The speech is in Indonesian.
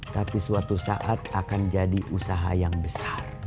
tapi suatu saat akan jadi usaha yang besar